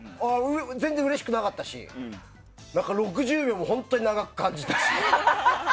全然うれしくなかったし６０秒も本当に長く感じたし。